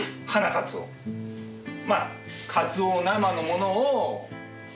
カツオ生のものを。